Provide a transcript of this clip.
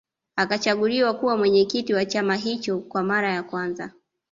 Akachaguliwa kuwa mwenyekiti wa chama hicho kwa mara ya kwanza